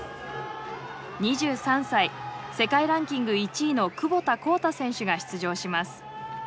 ２３歳世界ランキング１位の窪田幸太選手が出場します。